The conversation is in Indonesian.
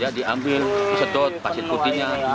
ya diambil disetut pasir putihnya